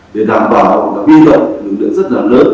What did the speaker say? để đảm bảo và biên động những lượng rất là lớn